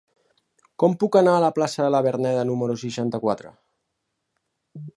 Com puc anar a la plaça de la Verneda número seixanta-quatre?